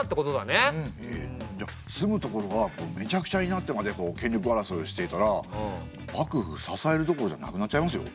じゃ住む所がめちゃくちゃになってまで権力争いをしていたら幕府支えるどころじゃなくなっちゃいますよ。